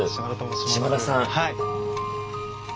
島田さん。